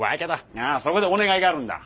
ああそこでお願いがあるんだ。